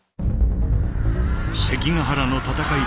関ヶ原の戦い